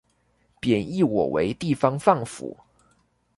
貶抑我為地方放府